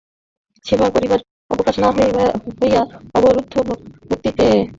সেবা করিবার অবকাশ না পাইয়া অবরুদ্ধ ভক্তিতে কমলার হৃদয় কাতর হইয়া উঠিয়াছিল।